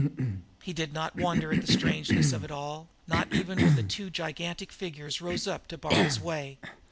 Yet he did not wonder at the necromantic strangeness of it all, not even when two gigantic figures rose up to bar his way.